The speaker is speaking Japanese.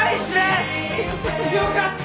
よかった！